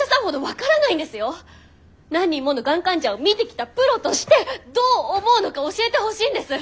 何人ものがん患者を診てきたプロとしてどう思うのか教えてほしいんです！